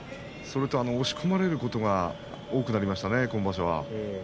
それと押し込まれることが多くなりましたね、今場所は。